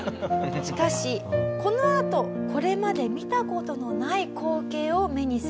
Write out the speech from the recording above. しかしこのあとこれまで見た事のない光景を目にするんです。